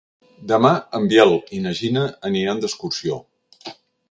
Demà en Biel i na Gina aniran d'excursió.